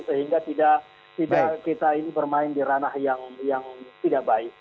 sehingga tidak kita ini bermain di ranah yang tidak baik